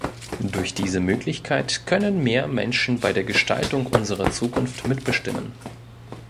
Durch diese Möglichkeit können mehr Menschen bei der Gestaltung unserer Zukunft mitbestimmen.